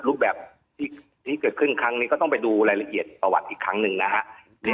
รูปแบบที่เกิดขึ้นครั้งนี้ก็ต้องไปดูรายละเอียดประวัติอีกครั้งหนึ่งนะฮะ